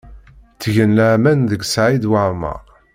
Ttgen laman deg Saɛid Waɛmaṛ.